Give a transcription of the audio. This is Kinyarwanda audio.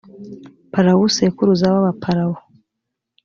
palawu sekuruza w’abapalawu.